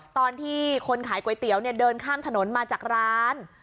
ตอนที่คนขายก๋วยเตี๋ยวเดินข้ามถนนมาจากร้าน